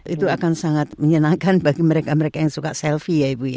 itu akan sangat menyenangkan bagi mereka mereka yang suka selfie ya ibu ya